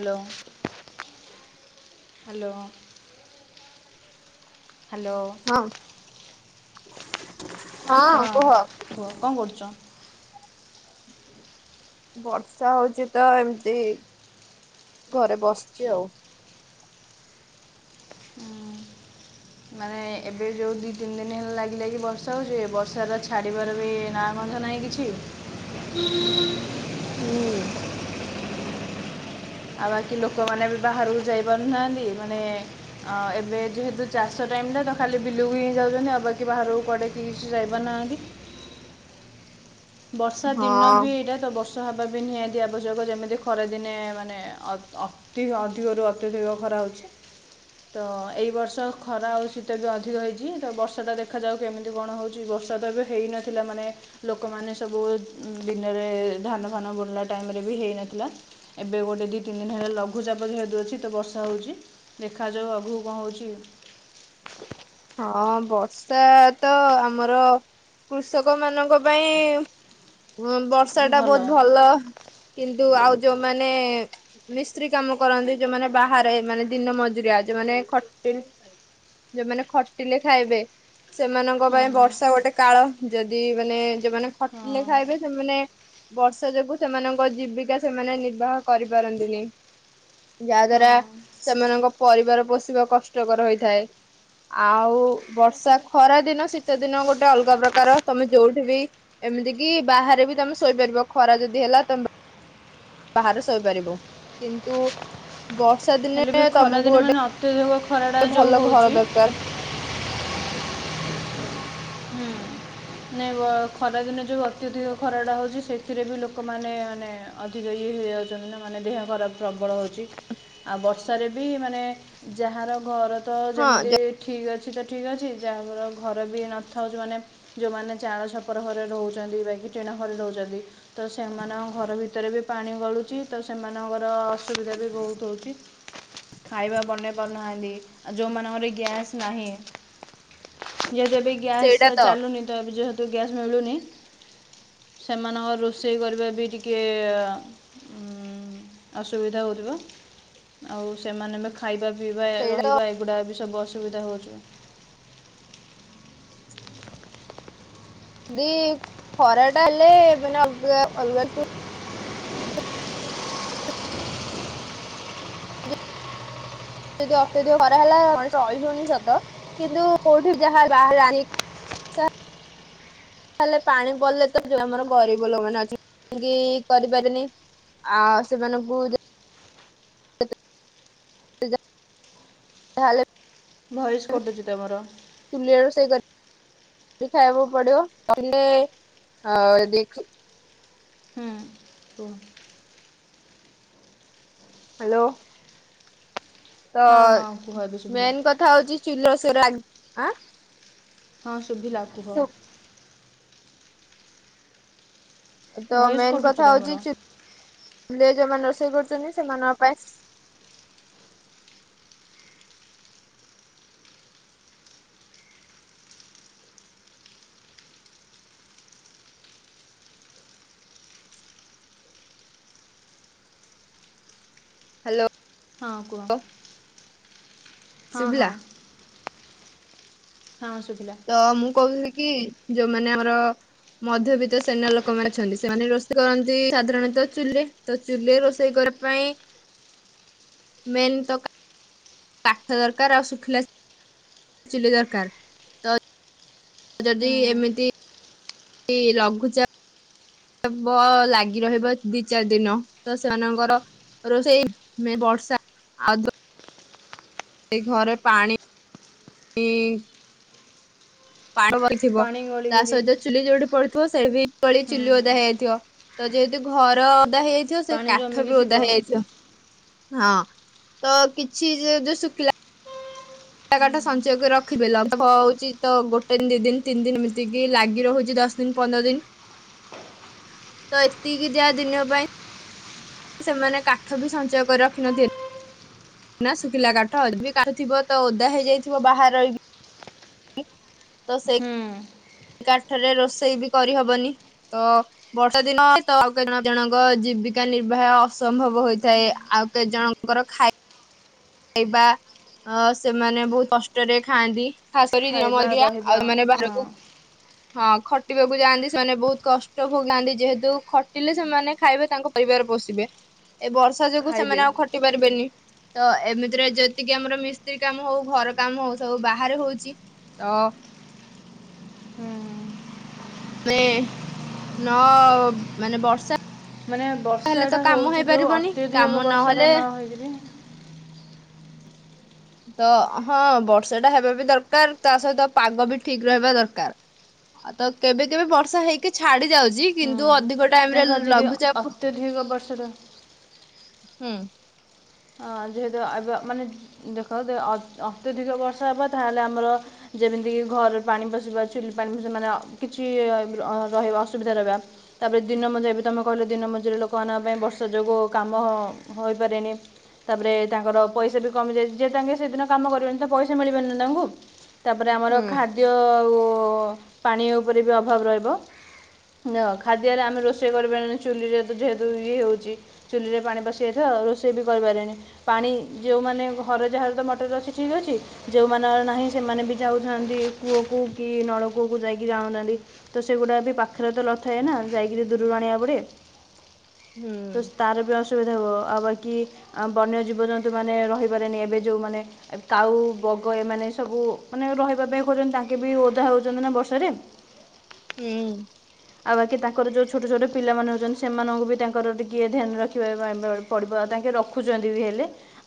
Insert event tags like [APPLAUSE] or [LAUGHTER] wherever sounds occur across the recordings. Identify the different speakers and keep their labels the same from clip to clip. Speaker 1: Hello. Hello hello.
Speaker 2: ହଁ
Speaker 1: ହଁ କୁହ କଣ କରୁଚ?
Speaker 2: ବର୍ଷା ହଉଚି ତ ଏମତି ଘରେ ବସଚି ଆଉ।
Speaker 1: ହୁଁ। ମାନେ ଏବେ ଯଉଁ ଦି ତିନ ଦିନ ହେଲା ଲାଗି ଲାଗି ବର୍ଷା ହେଉଚି। ବର୍ଷାର ଛାଡ଼ିବାର ବି ନାଁ ଗନ୍ଧ ନାହିଁ। ଇ କିଛି।
Speaker 2: ହୁଁ।
Speaker 1: ଆଉ ବାକି ଲୋକମାନେ ବି ବାହାରକୁ ଯାଇପାରୁନାହାନ୍ତି। ମାନେ ଅ ଏବେ ଯେହେତୁ ଚାଷ ଟାଇମଟା ତ ଖାଲି ବିଲୁକୁ ହିଁ ଯାଉଛନ୍ତି ଆଉ ବାକି ବାହାରକୁ କୁଆଡ଼େ ବି କିଛି ଯାଇପାରୁ ନାହାଁନ୍ତି ବର୍ଷା ଦିନ
Speaker 2: ହଁ
Speaker 1: ବି ଏଇଟା ତ ବର୍ଷା ଖରା ହେବା ବି ନିହାତି ଆବଶ୍ୟକ, ଯେମିତି ଖରା ଦିନେ ମାନେ ଅତି ଅଧିକ ରୁ ଅତ୍ୟଧିକ ଖରା ହଉଛି ତ ଏଇ ବର୍ଷ ଖରା ଆଉ ଶୀତ ବି ଅଧିକ ହେଇଛି ତ ବର୍ଷାଟା ଦେଖାଯାଉ କେମିତି କଣ ହଉଛି ବର୍ଷା ତ ଏବେ ହେଇନଥିଲା ମାନେ ଲୋକ ଲୋକମାନେ ସବୁ ଦିନରେ ଧାନ ଫାନ ବୁଣିଲା ଟାଇମରେ ବି ହେଇନଥିଲା ଏବେ ଗୋଟେ ଦି ଦୁଇ ତିନି ଦିନ ହେଲା ଲଘୁଚାପ ଯେହେତୁ ଅଛି ତ ବର୍ଷା ହେଉଛି ଦେଖାଯାଉ ଆଗକୁ କଣ ହେଉଛି [INAUDIBLE]
Speaker 2: ହଁ ବର୍ଷା ତ ଆମର କୃଷକ ମାନଙ୍କ ପାଇଁ ହଁ ବର୍ଷା ଟା ବହୁତ ଭଲ କିନ୍ତୁ ଆଉ ଯୋଉମାନେ ମିସ୍ତ୍ରୀ କାମ କରନ୍ତି ଯୋଉମାନେ ବାହାରେ ମାନେ ଦିନ ମଜୁରିଆ ଯୋଉମାନେ ଖଟି [UNINTELLIGIBLE] ଯୋଉମାନେ ଖଟିଲେ ଖାଇବେ ସେମାନଙ୍କ
Speaker 1: ହୁଁ
Speaker 2: ପାଇଁ ବର୍ଷା ଗୋଟେ କାଳ ଯଦି ମାନେ ଯଉମାନେ
Speaker 1: ହଁ
Speaker 2: ଖଟିଲେ ଖାଇବେ ସେମାନେ ବର୍ଷ ବର୍ଷା ଯୋଗୁ ସେମାନଙ୍କ ଜୀବିକା ସେମାନେ ନିର୍ବାହ କରିପାରନ୍ତିନି ଯାହା ଦ୍ଵାରା
Speaker 1: ହଁ
Speaker 2: ସେମାନଙ୍କ ପରିବାର ପୋଷିବା କଷ୍ଟକର ହୋଇଥାଏ ଆଉ ବର୍ଷା ଖରା ଦିନ ଶୀତ ଦିନ ଗୋଟେ ଅଲଗା ପ୍ରକାର ତମେ ଯୋଉଠି ବି ଏମିତି କି ବାହାରେ ବି ତମେ ଶୋଇପାରିବ ଖରା ଯଦି ହେଲା ତମେ
Speaker 1: [INAUDIBLE]
Speaker 2: ବାହାରେ ଶୋଇପାରିବୁ କିନ୍ତୁ ବର୍ଷା
Speaker 1: ହେଲେ
Speaker 2: ଦିନେ
Speaker 1: ବି
Speaker 2: ତମକୁ
Speaker 1: ଖରାଦିନେ
Speaker 2: ଗୋଟେ
Speaker 1: ମାନେ ଅତ୍ୟଧିକ ଖରାଟା
Speaker 2: ଗୋଟେ
Speaker 1: ଯେଉଁ
Speaker 2: ଭଲ ଘର
Speaker 1: ହେଉଛି
Speaker 2: ଦରକାର
Speaker 1: ହୁଁ ନାଇ ମ ଖରା ଦିନେ ଯୋଉ ଅତ୍ୟଧିକ ଖରା ଟା ହଉଛି ସେଥିରେ ବି ଲୋକମାନେ ମାନେ ଅଧିକ ହେଇଯାଉଛନ୍ତି ନା ମାନେ ଦେହ ଖରାପ ପ୍ରବଳ ହଉଛି ଆଉ ବର୍ଷାରେ ବି ମାନେ ଯାହାର ଘର ତ
Speaker 2: ହଁ
Speaker 1: ଯେମିତି ଠିକ ଅଛି ଠିକ୍ ଅଛି ଯାହାର ଘର ବି ନଥାଉ ଥାଉଛି ମାନେ ଯଉମାନେ ଚାଳ ଛପର ଘରେ ରହୁଛନ୍ତି ବା କି ଟିଣ ଘରେ ରହୁଛନ୍ତି ତ ସେମାନଙ୍କ ଘର ଭିତରେ ବି ପାଣି ଗଳୁଛି ତ ସେମାନଙ୍କର ଅସୁବିଧା ବି ବହୁତ ହଉଛି ଖାଇବା ବନେଇ ପାରୁନାହାନ୍ତି ଆ ଯେଉଁମାନଙ୍କର ଗ୍ୟାସ୍ ନାହିଁ [UNINTELLIGIBLE] ଯଦିବି ସେ ଚାଲୁନି ତ ଏବେ ଯେହେତୁ ଗ୍ୟାସ ମିଳୁନି ସେମାନଙ୍କର ରୋଷେଇ କରିବା ବି ଟିକିଏ ହୁଁ ଅସୁବିଧା ହଉଥିବ ଆଉ ସେମାନେ ବି ଖାଇବା ପିଇବା
Speaker 2: ସେଇଟା ତ
Speaker 1: ରହିବା ଏଗୁଡ଼ା ବି ସବୁ ଅସୁବିଧା ହଉଛୁ
Speaker 2: ଦି ଖରା ଟା ହେଲେ ମାନେ ଅଲଗା ଅଲଗା ଯଦି ଅତ୍ୟଧିକ ଖରାହେଲା ମଣିଷ ରହିହଉନି ସତ କିନ୍ତୁ କୋଉଠି ଯାହା ବାହାରେ ଆଣି ସାର ହେଲେ ପାଣି ପଡ଼ିଲେ ତ ଯଉ ଆମର ଗରିବ ଲୋକମାନେ ଅଛନ୍ତି କରିପାରିନି ଆଉ ସେମାନଙ୍କୁ [UNINTELLIGIBLE]
Speaker 1: ଭଏସ୍
Speaker 2: [UNINTELLIGIBLE]
Speaker 1: କଟୁଛି ତମର
Speaker 2: ଚୁଲିରେ ରୋଷେଇ କରି ଖାଇବାକୁ ପଡିବ କଲେ ଦେଖ
Speaker 1: ହୁଁ ହୁଁ
Speaker 2: ହ୍ୟାଲୋ ତ
Speaker 1: ହଁ ହଁ କୁହ ଏବେ ଶୁଭିଲା
Speaker 2: ମେନ୍ କଥା ହଉଛି ଚୁଲି ରୋଷେଇ ରେ ଆଜି ହଁ
Speaker 1: ହଁ ଶୁଭିଲା କୁହ
Speaker 2: ତ
Speaker 1: ଭଏସ୍
Speaker 2: ମେନ୍
Speaker 1: କଟୁଛି
Speaker 2: କଥା ହଉଛି
Speaker 1: ତମର
Speaker 2: ଚୁ ଚୁଲିରେ ଯୋଉମାନେ ରୋଷେଇ କରୁଛନ୍ତି ସେମାନଙ୍କ ପାଇଁ ହ୍ୟାଲୋ।
Speaker 1: ହଁ କୁହ। ହଁ
Speaker 2: ଶୁଭିଲା?
Speaker 1: ହଁ। ହଁ ଶୁଭିଲା
Speaker 2: ତ ମୁଁ କହୁଥିଲି କି ଯୋଉମାନେ ଆମର ମଧ୍ୟବିତ୍ ସେନ ଲୋକମାନେ ଅଛନ୍ତି ସେମାନେ ରୋଷେଇ କରନ୍ତି ସାଧାରଣତଃ ଚୁଲି ତ ଚୁଲି ରୋଷେଇ କରି ପାଇଁ ମେନ ତ କା କାଠ ଦରକାର ଆଉ ଶୁଖିଲା ଚୁଲି ଦରକାର ତ ଯଦି
Speaker 1: ହୁଁ
Speaker 2: ଏମିତି ଏ ଲଘୁଚା ବ ଲାଗି ରହିବ ଦି ଚାରି ଦିନ ତ ସେମାନଙ୍କର ରୋଷଇ ମେ ବର୍ଷା ଆଉ ଯୋ ସେଇ ଘରେ ପାଣି ଇଁ ପାଳ କରିଥିବ
Speaker 1: ପାଣି
Speaker 2: ତା
Speaker 1: ଗଳିକିରି
Speaker 2: ସହିତ ଚୁଲି ଯୋଉଠି ପଡୁଥିବ ସେବି ଗଳି
Speaker 1: ହୁଁ
Speaker 2: ଚୁଲି ଓଦା ହେଇଯାଇଥିବ ତ ଯେହେତୁ ଘର ଓଦା ହେଇଯାଇଥିବ ସେ
Speaker 1: ପାଣି
Speaker 2: କାଠ
Speaker 1: ଜମିକି
Speaker 2: ବି ଓଦା
Speaker 1: ଥିବ
Speaker 2: ହେଇଯାଇଥିବ। ହଁ ତ କିଛି ଯେହେତୁ ଶୁଖିଲା ଜାଗା ଟା ସଞ୍ଚୟ କରି ରଖିବେ ଲଘୁଚାପ ହଉଚି ତ ଗୋଟେ ଦି ଦିନ ତିନି ଦିନ ଏମତିକି ଲାଗି ରହୁଚି ଜ ଦଶ ଦିନ ପନ୍ଦର ଦିନ ତ ଏତିକି ଜାଆ ଦିନ ପାଇଁ ସେମାନେ କାଠ ବି ସଞ୍ଚୟ କରି ରଖିନଥିବେ ନା ଶୁଖିଲା କାଠ ବି କାଠଥିବ ତ ଓଦା ହେଇଯାଇଥିବ ବାହାରେ ରହିକି ତ ସେ
Speaker 1: ହୁଁ
Speaker 2: କାଠରେ ରୋଷେଇ ବି କରିହବନି ତ ବର୍ଷା ଦିନ ତ ଆଉ କେତେ ଜଣଙ୍କ ଜୀବିକା ନିର୍ବାହ ଅସମ୍ଭବ ହୋଇଥାଏ ଆ ଆଉ କେ ଜଣଙ୍କର ଖାଇ ଖାଇବା ଅ ସେମାନେ ବହୁତ କଷ୍ଟରେ ଖାଆନ୍ତି ଖାସ କରି ଦିନ
Speaker 1: ଖାଇବା
Speaker 2: ମଜୁରୀଆ
Speaker 1: ରହିବା
Speaker 2: ଆଉ ମାନେ
Speaker 1: ହଁ
Speaker 2: ବାହାରକୁ ହଁ ଖଟିବାକୁ ଯାଆନ୍ତି ସେମାନେ ବହୁତ କଷ୍ଟ ଭୋଗାନ୍ତି ଯେହେତୁ ଖଟିଲେ ସେମାନେ ଖାଇବେ ତାଙ୍କ ପରିବାର ବଷିବେ ଏ ବର୍ଷା ଯୋଗୁ
Speaker 1: ଖାଇବେ
Speaker 2: ସେମାନେ ଆଉ ଖଟି ପାରିବେନି ତ ଏମିତିରେ ଯେତିକି ଆମର ମିସ୍ତ୍ରୀ କାମ ହଉ ଘର କାମ ହଉ ସବୁ ବାହାରେ ହଉଛି ତ
Speaker 1: ହୁଁ
Speaker 2: ମାନେ ନ ବର୍ଷା
Speaker 1: ମାନେ
Speaker 2: ହେଲେ ତ
Speaker 1: ବର୍ଷାଟା
Speaker 2: କାମ
Speaker 1: ହଉଚି ଯୋଉ
Speaker 2: ହେଇପାରିବନି କାମ
Speaker 1: ଅତ୍ୟଧିକ ବର୍ଷାଟା
Speaker 2: ନହେଲେ
Speaker 1: ନହେଇକିରି ହ
Speaker 2: ତ ହଁ ବର୍ଷା ଟା ହେବା ବି ଦରକାର ତା ସହିତ ପାଗ ବି ଠିକ ରହିବା ଦରକାର। ଆଉ ତ କେବେ କେବେ ବର୍ଷା ହେଇକି ଛାଡି ଯାଉଛି
Speaker 1: ହୁଁ
Speaker 2: କିନ୍ତୁ ଅ ଅଧିକ
Speaker 1: ନା
Speaker 2: ଟାଇମରେ
Speaker 1: ଯଦି
Speaker 2: ଲଘୁଚାପ
Speaker 1: ଅତ୍ୟଧିକ ବର୍ଷାଟା
Speaker 2: ହୁଁ।
Speaker 1: ଅ ଯେହେତୁ ଅ ଏବେ ମାନେ ଦେଖ ଯେ ଅ ଅତ୍ୟଧିକ ବର୍ଷା ହେବ ତାହେଲେ ଆମର ଯେବେ ଯେମିତିକି ଘରେ ପାଣି ପଶିବା ଚୁଲି ପାଣି ପସିବା ମାନେ ଅ କିଛି ଅ ରହିବା ଅସୁବିଧା ରହିବା ତାପରେ- ଦିନ ମଜୁରିଆ ବି ତମେ କହିଲ ଦିନ ମଜୁରୀ ଲୋକମାନଙ୍କ ପାଇଁ ବର୍ଷା ଯୋଗୁଁ କାମ ହୋଇପାରିବନି। ତାପରେ ତାଙ୍କର ପଇସା ବି କମିଯାଇଚି ଯିଏ ତାଙ୍କେ ସେଦିନ କାମ କରିବେନି ତ ପଇସା ମିଳିବନି ନା ତାଙ୍କୁ। ତାପରେ ଆମର
Speaker 2: ହୁଁ
Speaker 1: ଖାଦ୍ୟ ଆଉ ପାଣି ଉପରେ ବି ଅଭାବ ରହିବ ଦଁ ଖାଦ୍ୟରେ ଆମେ ରୋଷେଇ କରିପାରିବାନି ଚୁଲିରେ ଯେହେତୁ ଇଏ ହଉଚି ଚୁଲିରେ ପାଣି ପଶିଯାଇଥିବ ହ ରୋଷେଇ ବି କରିପାରିବାନି। ପାଣି ଯୋଉମାନେ ଘରେ ଯାହାର ତ ମଟର ଅଛି ଠିକ ଅଛି ଯୋଉ ମନଙ୍କର ନାହିଁ ସେମାନେ ବି ଯାଉଥା କୂଅ କ କି ନଳକୂଅକୁ ଯାଇକି ଜାଣଥାନ୍ତି ତ ସେଗୁଡା ବି ପାଖରେ ତ ଲଥା ଏ ନା ଯାଇକି ଦୂରରୁ ଆଣିବା ପଡିବେ
Speaker 2: ହୁଁ
Speaker 1: ତ ତାର ବି ଅସୁବିଧା ହବ ଆଉ ବାକି ଆଉ ବନ୍ୟ ଜୀବଜନ୍ତୁମାନେ ରହିପାରେନି ଏବେ ଯେଉଁମାନେ କାଉ ବଗ ଏମାନେ ସବୁ ମାନେ ରହିବା ପାଇଁ ଖୋଜଛନ୍ତି ତାଙ୍କେ ବି ଓଦା ହେଉଚନ୍ତି ନା ବର୍ଷାରେ
Speaker 2: ହୁଁ।
Speaker 1: ଆଉ ବାକି ତାଙ୍କର ଯୋଉ ଛୋଟ ଛୋଟ ପିଲାମାନେ ଅଛନ୍ତି ସେମାନଙ୍କୁ ବି ତାଙ୍କର ଟିକେ ଧ୍ୟାନ ରଖିବା ପାଇଁ ପ-ପଡିବ ଆଗେ ରଖୁଛନ୍ତି ବି ହେଲେ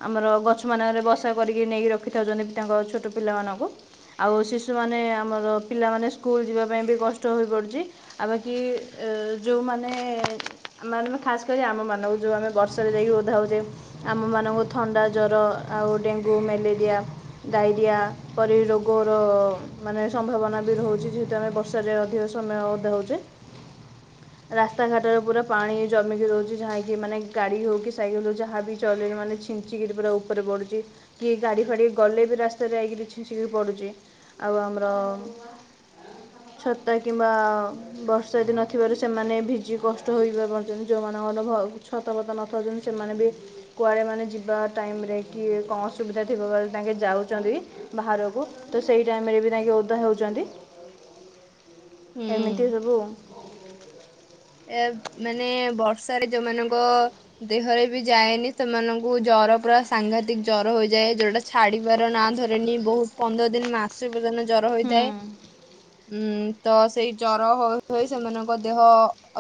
Speaker 1: ଆମର ଗଛ ମାନଙ୍କରେ ବସା କରିକି ନେଇକି ରଖିଥାଉଛନ୍ତି ତାଙ୍କ ଛୋଟ ପିଲାମାନ ଙ୍କୁ ଆଉ ଶିଶୁମାନେ ଆମର ପିଲାମାନେ ସ୍କୁଲ ଯିବା ପାଇଁ ବି କଷ୍ଟ ହୋଇପଡୁଛି। ଆଉ ବାକି ଏ ଯୋଉମାନେ ମାନେ ଖାସ୍ କରି ଆମ ମାନଙ୍କୁ ଯୋଉ ଆମେ ବର୍ଷାରେ ଯାଇକି ଓଦା ହଉଛେ ଆମ ମାନଙ୍କୁ ଥଣ୍ଡା, ଜର, ଆଉ ଡେଙ୍ଗୁ, ମେଲେରିଆ, ଡ଼ାଇରିଆ ଆ ପରି ରୋଗର ଉଁ ମାନେ ସମ୍ଭାବନା ବି ରହୁଛି ଯେହେତୁ ଆମେ ବର୍ଷାରେ ଅଧିକ ସମୟ ଓଦା ହଉଛେ। ରାସ୍ତାଘାଟରେ ପୁରା ପାଣି ଜମିିକି ରହୁଛି ଯାହାକି ମାନେ ଗାଡି ହଉ କି ସାଇକେଲ ହଉ ଯାହା ବି ଚଲେଇବୁ ମାନେ ଛିଞ୍ଚିକିରି ପୁରା ଉପରେ ପଡ଼ୁଛି କି ଗାଡ଼ି ଫାଡ଼ି ଗଲେ ବି ରାସ୍ତାରେ ଆଇକି ବି ଛିଞ୍ଚିକି ପଡୁଛି ଆ ଆଉ ଆମର ଛତା କିମ୍ବା। ବର୍ଷା ଦିନ ଥିବାରୁ ସେମାନେ ଭିଜି କଷ୍ଟ ହୋଇ ପା-ପାରୁଛନ୍ତି ଯୋଉଁମାନଙ୍କର ଭ ଛତାପତା ନଥାଉଛ ସେମାନେ ବି କୁଆଡ଼େ ମାନେ ଯିବା ଟାଇମ୍ ରେ କିଏ କଣ ଅସୁବିଧା ଥିବ ବୋଲି ତାଙ୍କେ ଯାଉଛନ୍ତି। ବାହାରକୁ ତ ସେଇ ଟାଇମ ରେ ବି ତାଙ୍କେ ଓଦା ହେଉଛନ୍ତି।
Speaker 2: ହୁଁ।
Speaker 1: ଏଇ ସବୁ।
Speaker 2: ଏ ମାନେ ବର୍ଷାରେ ଯୋଉମାନଙ୍କ ଦେହରେ ବି ଯାଏନି ସେମାନଙ୍କୁ ଜ ଜର ପୁରା ସାଂଘାତିକ ଜର ହୋଇଯାଏ ଯୋଉଟା ଛାଡିବାର ନା ଧରେନି ବହୁତ ପନ୍ଦର ଦିନ ମାସେ ଯଉ ଦିନ ଜର ହୋଇଥାଏ ଉଁ ତ ସେଇ ଜର ହୋ ହୋଇ ସେମାନଙ୍କ ଦେହ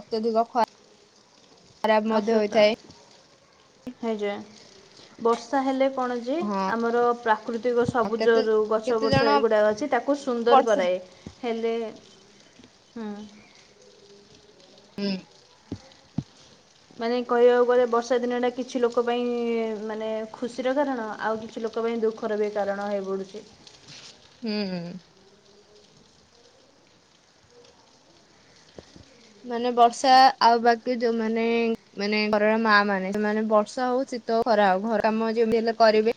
Speaker 2: ଅତ୍ୟଧିକ ଖ ଖରାପ ମଧ୍ୟ ହୋଇଥାଏ।
Speaker 1: ହଇଜା। ବର୍ଷା ହେଲେ କଣ ଯେ
Speaker 2: ହଁ
Speaker 1: ଆମର ପ୍ରାକୃତିକ ସବୁଜ
Speaker 2: କେତେ
Speaker 1: ଯୋଉ ଗଛ
Speaker 2: କେତେ
Speaker 1: ପଛ
Speaker 2: ଜଣ
Speaker 1: ଏଗୁଡ଼ାକ ଅଛି ତାକୁ ସୁନ୍ଦର
Speaker 2: ବର୍ଷା
Speaker 1: କରାଏ ହେଲେ ହୁଁ।
Speaker 2: ହୁଁ।
Speaker 1: ମାନେ କହିବାକୁ ଗଲେ ବର୍ଷା ଦିନ ଟା କିଛି ଲୋକ ପାଇଁ ମାନେ ଖୁସିର କାରଣ ଆଉ କିଛି ଲୋ ଲୋକ ପାଇଁ ଦୁଖର ବି କାରଣ ହେଇ ପଡୁଛି।
Speaker 2: ହୁଁ ମାନେ ବର୍ଷା ଆଉ ବାକି ଯୋଉମାନେ ମାନେ ଘରର ମା ମାନେ ସେମାନେ ବର୍ଷା ହଉଛି ତ ଖରା ହଉ ଘର କାମ ଯେମିତି ହେଲେ କରିବେ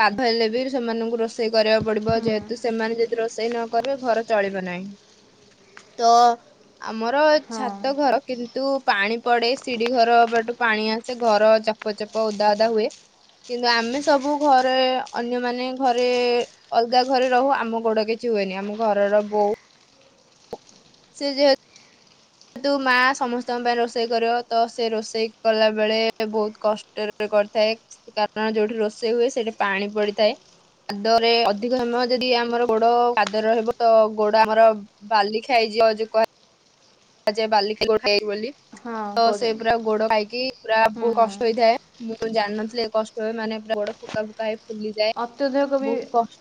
Speaker 2: କାଦୁଅ ହେଲେ ବି ସେମାନଙ୍କୁ ରୋଷେଇ କରିବାକୁ ପଡିବ
Speaker 1: ହୁଁ
Speaker 2: ଯେହେତୁ ସେମାନେ ଯଦି ରୋଷେଇ ନ କରିବେ ଘର ଚଳିବ ନାହିଁ ତ ଆ ଆମର
Speaker 1: ହଁ
Speaker 2: ଛାତ ଘର କିନ୍ତୁ ପାଣି ପଡେ ସିଡ଼ି ଘର ବାଟୁ ପାଣି ଆ ସେ ଘର ଚପ ଚପ ଓଦା ଓଦା ହୁଏ। କିନ୍ତୁ ଆମେ ସବୁ ଘରେ ଅନ୍ୟମାନେ ଘରେ ଅଲଗା ଘରେ ରହୁ ଆମ ଗୋଡ କିଛି ହୁଏନି ଆମ ଘରର ବୋଉ। ସେ ଯେହେ କିନ୍ତୁ ମା ସମସ୍ତଙ୍କ ପାଇଁ ରୋଷେଇ କରିବ ତ ସେ ରୋଷେଇ କଲା ବେଳେ ବହୁତ କଷ୍ଟରେ କରିଥାଏ କାରଣ ଯୋଉଠି ରୋଷେଇ ହୁଏ ସେଠି ପାଣି ପଡିଥାଏ। ପାଦରେ ଅଧିକ ସମୟ ଯଦି ଆମର ଗୋଡ ପାଦ ରହିବ ତ ଗୋଡ ଆମର ବାଲି ଖାଇ ଯିବ ଯୋଉ କ କୁହାଯାଏ ବାଲି ଖା ଗୋଡ ଖାଇଛି ବୋଲି।
Speaker 1: ହଁ
Speaker 2: ତ ସେ
Speaker 1: କହୁଛନ୍ତି
Speaker 2: ପୁରା ଗୋଡ ଖାଇକି ପୁରା
Speaker 1: ହୁଁ
Speaker 2: ବହୁତ
Speaker 1: ହୁଁ
Speaker 2: କଷ୍ଟ ହେଇଥାଏ ମୁ ମୁଁ ଜାଣିନଥିଲି ଏ କଷ୍ଟ ହୁଏ ମାନେ ପୁରା ଗୋଡ ଫୁକା ଫୁକା ହେଇ ଫୁଲିଯାଏ
Speaker 1: ଅତ୍ୟଧିକ ବି
Speaker 2: ବହୁତ କଷ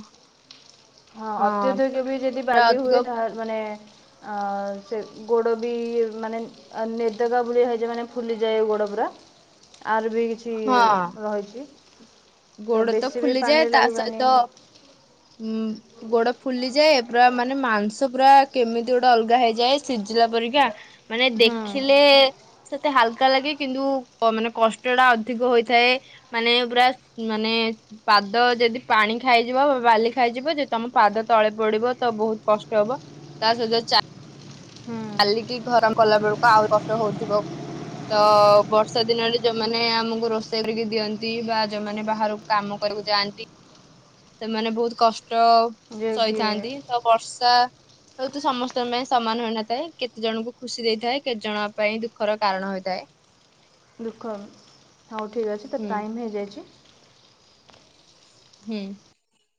Speaker 2: ହଁ
Speaker 1: ହଁ ଅତ୍ୟଧିକ ବି ଯଦି
Speaker 2: ପୁରା
Speaker 1: ବାଲି ହୁଏ
Speaker 2: ଅଧିକ
Speaker 1: ତା ହାଲ ମାନେ ଅ ସେ ଗୋଡ ବି ମାନେ ଅ ନେଦେଗା ପରିଆ ହେଇ ଯାଏ ମାନେ ଫୁଲିଯାଏ ଗୋଡ ପୁରା। ଆର୍ ବି କିଛି
Speaker 2: ହଁ
Speaker 1: ରହିଛି।
Speaker 2: ଗୋଡ ତ
Speaker 1: ବେଶୀ ବି ପାଣିରେ
Speaker 2: ଫୁଲିଯାଏ ତା
Speaker 1: ଲାଗିବାନି
Speaker 2: ସହିତ ଉଁ। ଗୋଡ ଫୁଲିଯାଏ ପୁରା ମାନେ ମାଂସ ପୁରା କେମିତି ଗୋଟେ ଅଲଗା ହେଇଯାଏ ସିଝିଲା ପରିକା। ମାନେ
Speaker 1: ହୁଁ
Speaker 2: ଦେଖିଲେ ସେତେ ହାଲକା ଲାଗେ କିନ୍ତୁ ମାନେ କଷ୍ଟ ଟା ଅଧିକ ହୋଇଥାଏ। ମାନେ ପୁରା ମାନେ ପାଦ ଯଦି ପାଣି ଖାଇଯିବ ବାଲି ଖାଇଯିବ ଯି ତମ ପାଦ ତଳେ ପଡିବ ତ ବହୁତ କଷ୍ଟ ହବ। ତା ସହିତ
Speaker 1: ହୁଁ
Speaker 2: ଚାଲିକି [UNINTELLIGIBLE] କଲା ବେଳକୁ ଆହୁରି କଷ୍ଟ ହଉଥିବ। ତ ବର୍ଷା ଦିନରେ ଯୋଉମାନେ ଆମକୁ ରୋଷେଇ କରିକି ଦିଅନ୍ତି ବା ଯୋଉମାନେ ବାହାରକୁ କାମ କରିବାକୁ ଯାଆନ୍ତି ସେମାନେ ବହୁତ କଷ୍ଟ
Speaker 1: ଯେ କି
Speaker 2: ସହିଥାନ୍ତି। ତ ବର୍ଷା ହୁଏ ତ ସମସ୍ତଙ୍କ ପାଇଁ ସମାନ ହୋଇନଥାଏ। କେତେ ଜଣଙ୍କୁ ଖୁସି ଦେଇଥାଏ। କେତେ ଜଣ ପାଇଁ ଦୁଃଖର କାରଣ ହୋଇଥାଏ।
Speaker 1: ଦୁଃଖ ହବ। ହଉ ଠିକ୍ ଅଛି ତ
Speaker 2: ହୁଁ
Speaker 1: ଟାଇମ୍ ହେଇଯାଇଚି
Speaker 2: ହୁଁ।